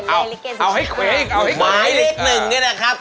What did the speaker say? ละกิกอีกอ๋ออะไรอย่างนี้ผมว่าถ้ายังงานน่ะครับ